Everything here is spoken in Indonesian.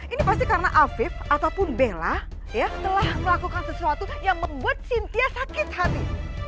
ini pasti karena afif ataupun bella telah melakukan sesuatu yang membuat cynthia sakit hati